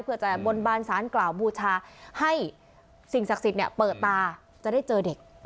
เพื่อจะบนบานสารกล่าวบูชาให้สิ่งศักดิ์สิทธิ์เปิดตาจะได้เจอเด็ก